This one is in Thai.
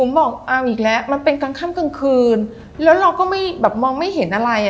ผมบอกเอาอีกแล้วมันเป็นกลางค่ำกลางคืนแล้วเราก็ไม่แบบมองไม่เห็นอะไรอ่ะ